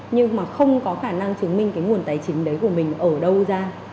nhưng mà không có khả năng chứng minh cái nguồn tài chính đấy của mình ở đâu ra